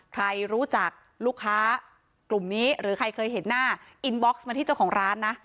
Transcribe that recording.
ใครรู้จักลูกค้ากลุ่มนี้หรือใครเคยเห็นหน้าอินบ็อกซ์มาที่เจ้าของร้านนะ